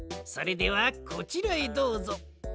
それではこちらへどうぞ。